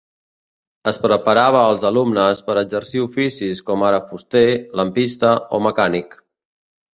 Es preparava als alumnes per a exercir oficis com ara fuster, lampista o mecànic.